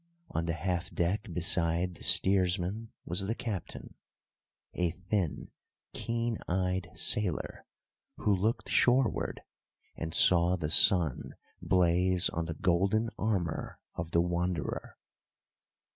On the half deck beside the steersman was the captain, a thin, keen eyed sailor, who looked shoreward and saw the sun blaze on the golden armour of the Wanderer.